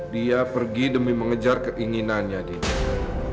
dia pergi demi mengejar keinginannya dinda